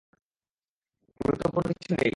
গুরুত্বপূর্ণ কিছু নেই।